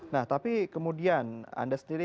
nah tapi kemudian anda sendiri